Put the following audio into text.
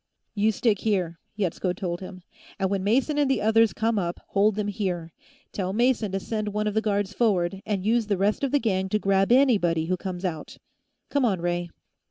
"You stick here," Yetsko told him, "and when Mason and the others come up, hold them here. Tell Mason to send one of the guards forward, and use the rest of the gang to grab anybody who comes out. Come on, Ray."